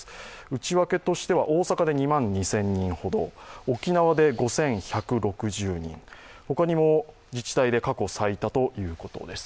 内訳としては大阪で２万２０００人ほど沖縄で５１６０人、ほかにも自治体で過去最多ということです。